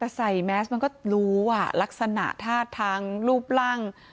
แต่ใส่แมสมันก็รู้อ่ะลักษณะท่าทางรูปร่าง